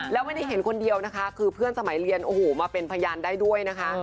แล้วไม่ได้เห็นคนเดียวนะคะคือเพื่อนสมัยเรียนโอ้โหมาเป็นพยานได้ด้วยนะคะ